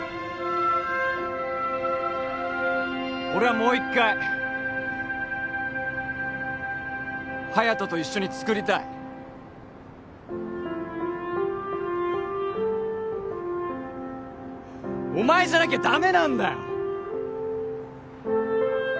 俺はもう一回隼人と一緒に作りたいお前じゃなきゃダメなんだよ！